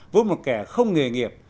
với một kẻ không nghề nghiệp